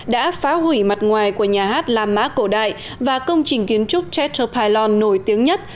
đã phá hủy mặt ngoài của nhà hát lam ma cổ đại và công trình kiến trúc chester pylon nổi tiếng nhất